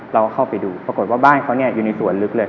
เราก็เข้าไปดูปรากฏว่าบ้านเขาอยู่ในสวนลึกเลย